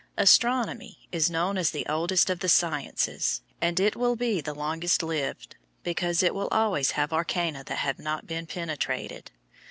Astronomy is known as the oldest of the sciences, and it will be the longest lived because it will always have arcana that have not been penetrated.